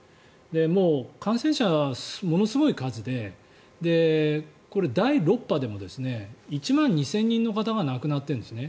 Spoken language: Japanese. もう、感染者がものすごい数でこれ、第６波でも１万２０００人の方が亡くなっているんですね。